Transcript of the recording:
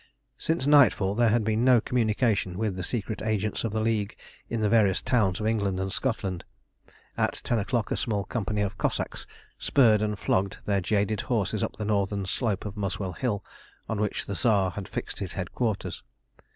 Since nightfall there had been no communication with the secret agents of the League in the various towns of England and Scotland. At ten o'clock a small company of Cossacks spurred and flogged their jaded horses up the northern slope of Muswell Hill, on which the Tsar had fixed his headquarters.